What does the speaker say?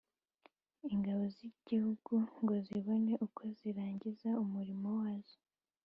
ingabo z'igihugu, ngo zibone uko zirangiza umurimo wazo